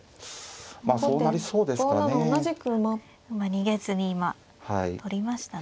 逃げずに今取りましたね。